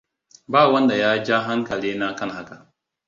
Ba wanda ya ja hankali na kan haka.